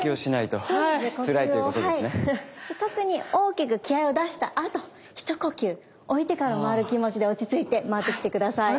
特に大きく気合いを出したあとひと呼吸おいてから回る気持ちで落ち着いて回ってきて下さい。